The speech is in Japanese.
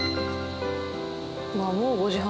わっもう５時半。